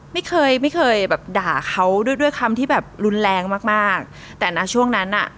ไม่เคยไม่เคยแบบด่าเขาด้วยด้วยคำที่แบบรุนแรงมากมากแต่นะช่วงนั้นอ่ะ